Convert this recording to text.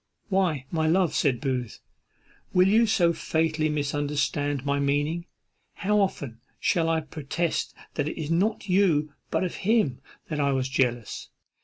"Why, my love," said Booth, "will you so fatally misunderstand my meaning? how often shall I protest that it is not of you, but of him, that I was jealous?